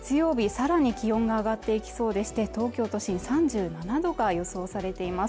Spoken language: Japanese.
さらに気温が上がっていきそうでして東京都心３７度が予想されています。